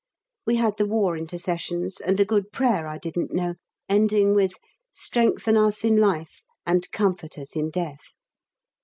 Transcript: We had the War Intercessions and a good prayer I didn't know, ending with "Strengthen us in life, and comfort us in death."